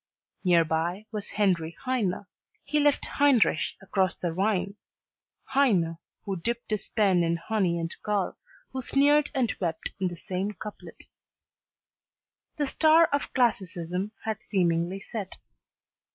Near by was Henri Heine, he left Heinrich across the Rhine, Heine, who dipped his pen in honey and gall, who sneered and wept in the same couplet. The star of classicism had seemingly set.